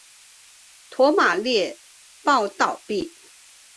驼马捏报倒毙。